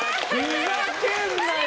ふざけんなよ！